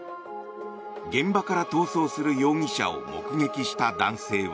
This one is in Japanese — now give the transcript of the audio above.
現場から逃走する容疑者を目撃した男性は。